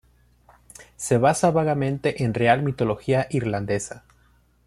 Se basa vagamente en real mitología irlandesa.